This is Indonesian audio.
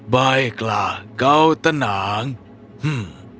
baiklah kau tenang hmm